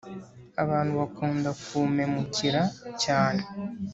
Abantu bakunda kumemukira cyane